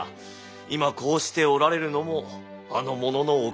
今こうしておられるのもあの者のおかげじゃ。